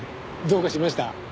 どうかしました？